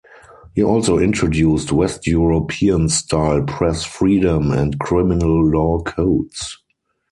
He also introduced west-European style press freedom and criminal law codes.